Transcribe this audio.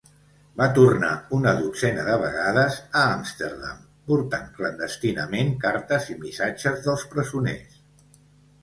Va tornar una dotzena de vegades a Amsterdam portant clandestinament cartes i missatges dels presoners.